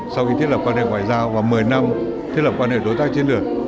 sau khi thiết lập quan hệ ngoại giao và một mươi năm thiết lập quan hệ đối tác chiến lược